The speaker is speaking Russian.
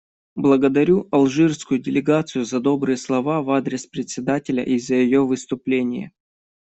Благодарю алжирскую делегацию за добрые слова в адрес Председателя и за ее выступление.